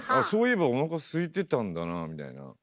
そういえばおなかすいてたんだなみたいな。